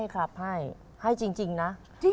เขาให้จริงนะ